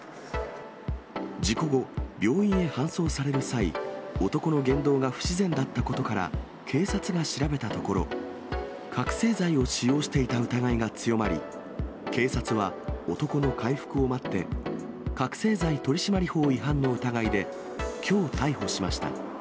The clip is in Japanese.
事故後、病院へ搬送される際、男の言動が不自然だったことから、警察が調べたところ、覚醒剤を使用していた疑いが強まり、警察は男の回復を待って、覚醒剤取締法違反の疑いできょう逮捕しました。